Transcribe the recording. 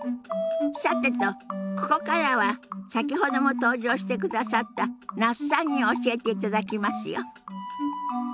さてとここからは先ほども登場してくださった那須さんに教えていただきますよ。